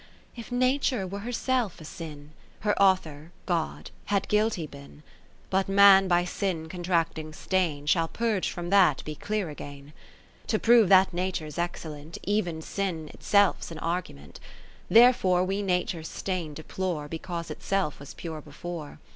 IX If Nature were herself a sin, Her Author (God) had guilty bin ; But Man by sin contracting stain. Shall, purg'd from that, be clear again. X To prove that Nature 's excellent, Even Sin itself 's an argument : Therefore we Nature's stain deplore, Because itself was pure before.